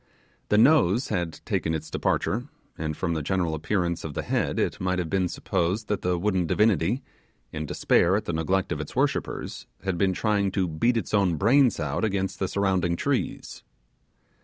The nose had taken its departure, and from the general appearance of the head it might have, been supposed that the wooden divinity, in despair at the neglect of its worshippers, had been trying to beat its own brains out against the surrounding trees.